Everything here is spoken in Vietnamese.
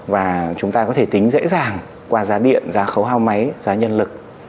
và chúng ta có thể tính dễ dàng qua giá điện giá khấu hao máy giá nhân lực